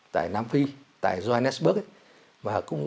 tại nam phi tại johannesburg